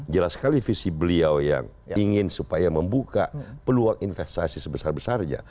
jelas sekali visi beliau yang ingin supaya membuka peluang investasi sebesar besarnya